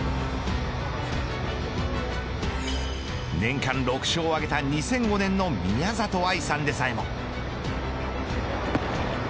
年間６勝を挙げた２００５年の宮里藍さんでさえも。